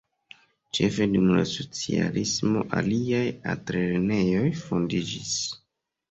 Ĉefe dum la socialismo aliaj altlernejoj fondiĝis.